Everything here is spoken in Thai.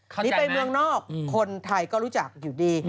นี่ไปเมืองนอกคนไทยก็รู้จักอยู่ดี